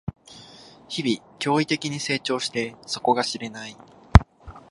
日々、驚異的に成長して底が知れない